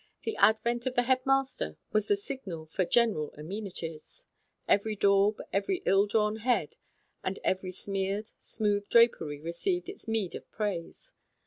The advent of the head master was the signal for general amenities. Every daub, every ill drawn head and every smeared, smooth drapery received its meed of praise.